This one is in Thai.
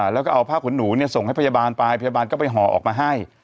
แล้วก็เอาผ้าขนหนูส่งให้พยาบาลไปพยาบาลก็ไปห่อออกมาให้